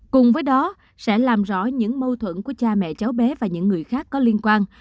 cùng với đó sẽ làm rõ những mâu thuẫn của cha mẹ cháu bé và những người khác có liên quan